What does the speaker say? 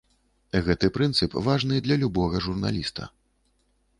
Гэты прынцып важны для любога журналіста.